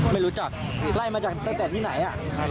ไม่รู้จักไล่มาจากตั้งแต่ที่ไหนอ่ะ